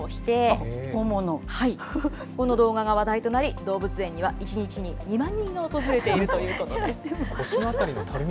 この動画が話題となり、動物園には１日に２万人が訪れているということです。